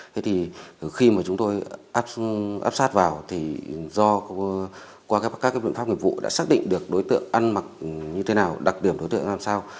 thế thì khi mà chúng tôi áp sát vào thì do qua các cái bệnh pháp nghiệp vụ đã xác định được đối tượng ăn mặc như thế nào đặc điểm đối tượng làm sao